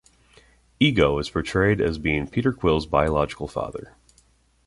Ego is portrayed as being Peter Quill's biological father.